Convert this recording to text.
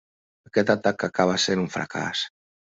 Aquest atac acaba sent un fracàs.